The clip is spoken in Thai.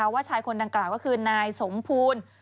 ว่าชายคนดังกล่าวก็คือนายสมภูล